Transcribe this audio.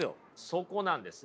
そこなんですよ。